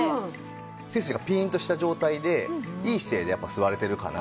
背筋がピーンとした状態でいい姿勢で座れてるかなと。